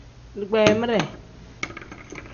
Digbeemire.